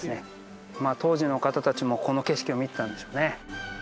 当時の方たちもこの景色を見てたんでしょうね。